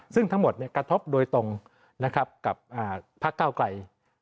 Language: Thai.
ซึ่งทั้งหมดกระทบโดยตรงกับพระเก้าไกร